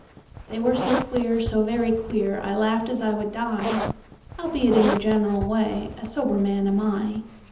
They were so queer, so very queer,I laughed as I would die; Albeit, in the general way,A sober man am I.